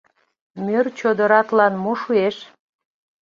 Мӧр чодыратлан мо шуэш?